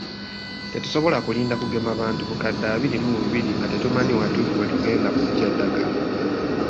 Tetusobola kulinda kugema bantu bukadde abiri mu bubiri nga tetumanyi watuufu we tugenda kuggya ddagala.